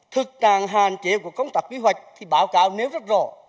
thực trạng hàn chế của công tác quy hoạch thì báo cáo nêu rất rõ